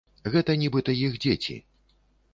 Гэта нібыта іх дзеці.